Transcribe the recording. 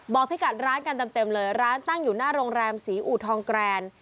พิกัดร้านกันเต็มเลยร้านตั้งอยู่หน้าโรงแรมศรีอูทองแกรน